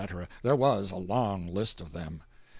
There was a long list of them.